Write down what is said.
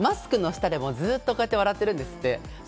マスクの下でもずっとこうやって笑ってるんですって。